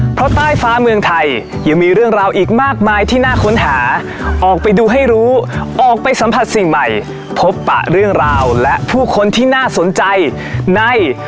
เพราะใต้ฟ้าเมืองไทยยังมีเรื่องราวอีกมากมายที่น่าค้นหาออกไปดูให้รู้ออกไปสัมผัสสิ่งใหม่พบปะเรื่องราวและผู้คนที่น่าสนใจใน